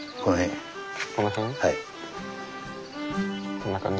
こんな感じ？